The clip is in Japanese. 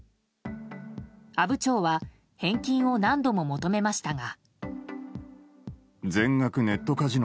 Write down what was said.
阿武町は返金を何度も求めましたが。